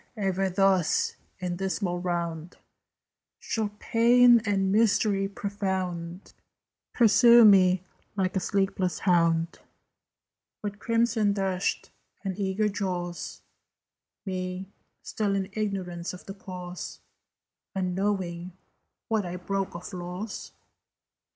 Ever thus, in dismal round, Shall Pain and Mystery profound Pursue me like a sleepless hound, "With crimson dashed and eager jaws, Me, still in ignorance of the cause, Unknowing what I broke of laws?"